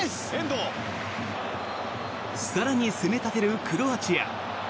更に攻め立てるクロアチア。